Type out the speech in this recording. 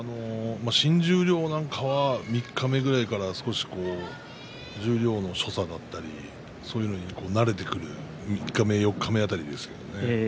新十両のなんかは三日目ぐらいから少し十両の所作だったりそういうものに慣れてくる三日目四日目辺りですけれどもね。